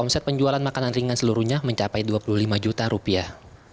omset penjualan makanan ringan seluruhnya mencapai dua puluh lima juta rupiah